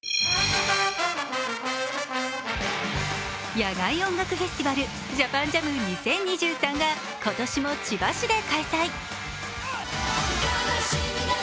野外音楽フェスティバル、ＪＡＰＡＮＪＡＭ２０２３が今年も千葉市で開催。